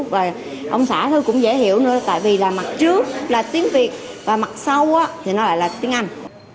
và ông xã tôi cũng dễ hiểu nữa tại vì là mặt trước là tiếng việt và mặt sau thì nó lại là tiếng anh